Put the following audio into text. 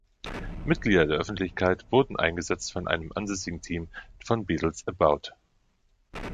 Mitglieder der Öffentlichkeit wurden eingesetzt von einem ansässigen Team von Beadle´s About!